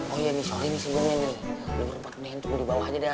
oh iya nih soalnya ini sih gue nih lo berupa kena yang tunggu di bawah aja dah